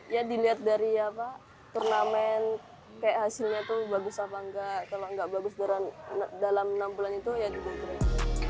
ya diliat dari apa turnamen kayak hasilnya tuh bagus apa enggak kalo enggak bagus dalam enam bulan itu ya di break